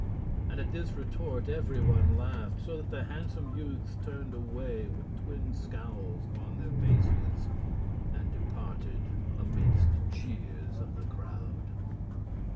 And at this retort every one laughed, so that the handsome youths turned away with twin scowls upon their faces and departed amidst the jeers of the crowd.